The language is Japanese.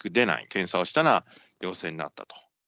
検査をしたら陽性になったと。